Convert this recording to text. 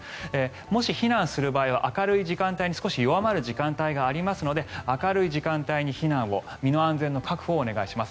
もし避難する場合は明るい時間帯に少し弱まる時間帯がありますので明るい時間帯に避難を身の安全の確保をお願いします。